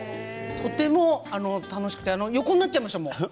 とても楽しくて横になっちゃいましたもん。